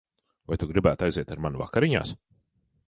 Vai tu gribētu aiziet ar mani vakariņās?